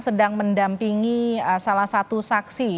sedang mendampingi salah satu saksi